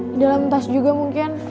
di dalam tas juga mungkin